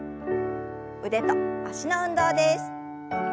腕と脚の運動です。